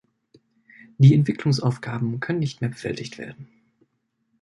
Die Entwicklungsaufgaben können nicht mehr bewältigt werden.